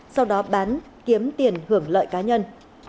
sau đó bán kiếm tiền hưởng lợi cá nhân